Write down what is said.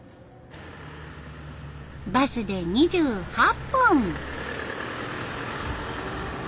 バスで２８分。